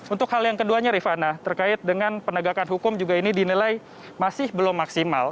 untuk hal yang keduanya rifana terkait dengan penegakan hukum juga ini dinilai masih belum maksimal